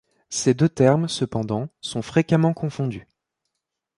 Ces deux termes cependant, sont fréquemment confondus.